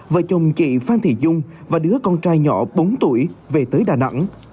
vợ chồng chị phan thị dung và đứa con trai nhỏ bốn tuổi về tới đà nẵng